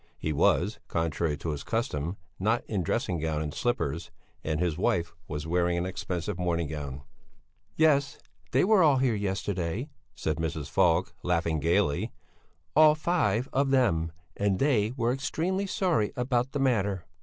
He was, contrary to his custom, not in dressing gown and slippers, and his wife was wearing an expensive morning gown. "Yes, they were all here yesterday," said Mrs. Falk, laughing gaily, "all five of them, and they were extremely sorry about the matter."